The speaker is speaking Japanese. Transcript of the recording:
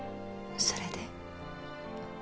それで？